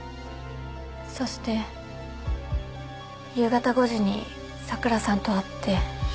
そして夕方５時に咲良さんと会って。